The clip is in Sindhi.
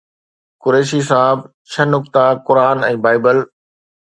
قريشي صاحب ڇهه نقطا قرآن ۽ بائبل